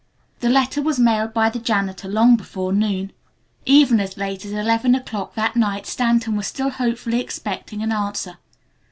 The letter was mailed by the janitor long before noon. Even as late as eleven o'clock that night Stanton was still hopefully expecting an answer.